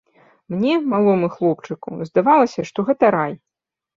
Мне, малому хлопчыку, здавалася, што гэта рай.